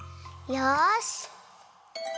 よし！